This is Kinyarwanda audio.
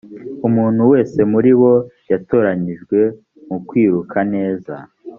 umuntu wese muri bo yatoranyijwe mukwiruka neza